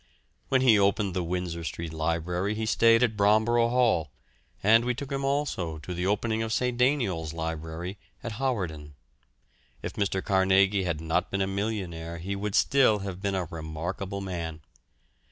When he opened the Windsor Street Library he stayed at Bromborough Hall, and we took him also to the opening of St. Deiniol's Library, at Hawarden. If Mr. Carnegie had not been a millionaire he would still have been a remarkable man.